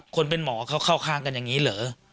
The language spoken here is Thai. คนเป็นหมอเขาเข้าข้างกันอย่างนี้เหรอ